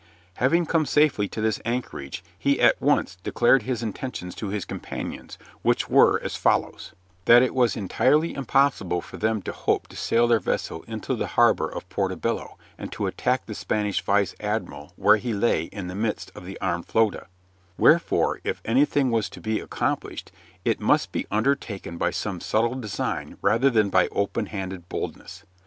Having come safely to this anchorage, he at once declared his intentions to his companions, which were as follows: That it was entirely impossible for them to hope to sail their vessel into the harbor of Porto Bello, and to attack the Spanish vice admiral where he lay in the midst of the armed flota; wherefore, if anything was to be accomplished, it must be undertaken by some subtle design rather than by open handed boldness.